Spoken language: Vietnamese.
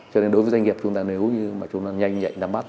cho nên đối với doanh nghiệp chúng ta nếu như mà chúng ta nhanh nhạy nắm bắt